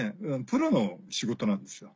プロの仕事なんですよ。